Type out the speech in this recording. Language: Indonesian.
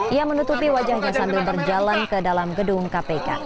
ia menutupi wajahnya sambil berjalan ke dalam gedung kpk